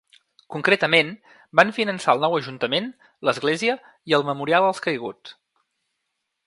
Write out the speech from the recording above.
Concretament, van finançar el nou ajuntament, l’església i el memorial als caiguts.